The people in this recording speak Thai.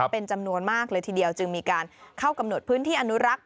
เป็นจำนวนมากเลยทีเดียวจึงมีการเข้ากำหนดพื้นที่อนุรักษ์